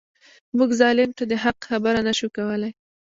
موږ ظالم ته د حق خبره نه شو کولای.